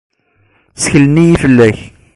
Tteklen-iyi fell-ak.